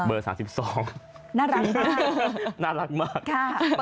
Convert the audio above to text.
เบอร์สามสิบสองน่ารักมากน่ารักมากค่ะ